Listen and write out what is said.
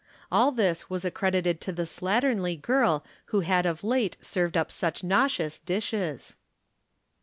All this was accredited to the slatternly girl who had of late served up such nauseous dishes.